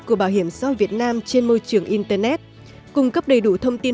của bảo hiểm xã hội việt nam trên môi trường internet cung cấp đầy đủ thông tin